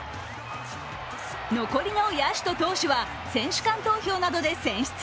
残りの野手と投手は選手間投票などで選出。